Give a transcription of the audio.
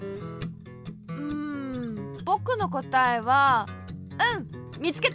うんぼくのこたえはうんみつけた！